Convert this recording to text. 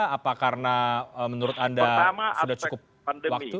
apa karena menurut anda sudah cukup waktu